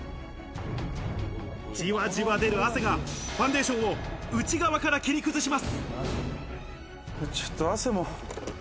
じわじわ出る汗がファンデーションを内側から切り崩します。